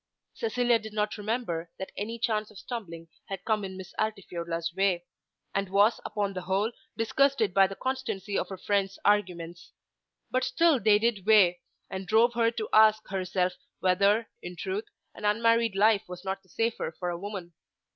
Cecilia did not remember that any chance of stumbling had come in Miss Altifiorla's way; and was upon the whole disgusted by the constancy of her friend's arguments. But still they did weigh, and drove her to ask herself whether, in truth, an unmarried life was not the safer for a woman.